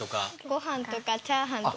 ご飯とかチャーハンとか。